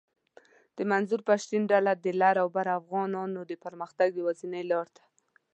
د منظور پشتین ډله د لر اوبر افغانانو د پرمختګ یواځنۍ لار ده